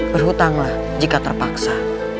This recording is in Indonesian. berhutanglah jika terpaksa